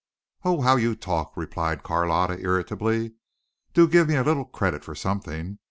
"Oh, how you talk," replied Carlotta irritably. "Do give me a little credit for something.